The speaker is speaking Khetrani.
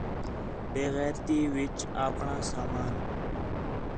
ہے غار تی وِچ آپݨاں سامان